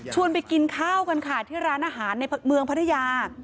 ไปกินข้าวกันค่ะที่ร้านอาหารในเมืองพัทยา